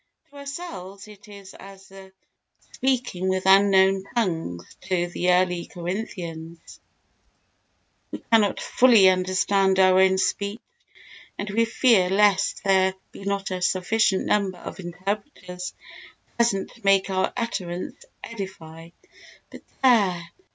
To ourselves it as the speaking with unknown tongues to the early Corinthians; we cannot fully understand our own speech, and we fear lest there be not a sufficient number of interpreters present to make our utterance edify. But there!